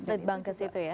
lead bank ke situ ya